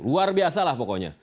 luar biasa lah pokoknya